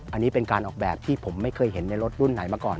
อันนี้เป็นการออกแบบที่ผมไม่เคยเห็นในรถรุ่นไหนมาก่อน